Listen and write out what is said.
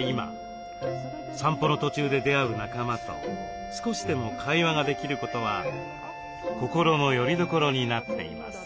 今散歩の途中で出会う仲間と少しでも会話ができることは心のよりどころになっています。